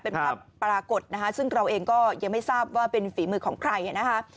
เป็นภาพปรากฏนะคะซึ่งเราเองก็ยังไม่ทราบว่าเป็นฝีมือของใครนะคะ